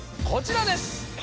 こちらです！